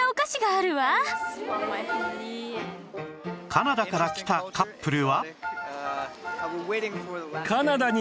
カナダから来たカップルは